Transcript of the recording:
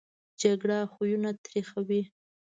جګړه خویونه تریخوي